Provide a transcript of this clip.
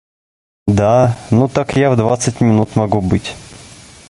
Да, ну так я в двадцать минут могу быть.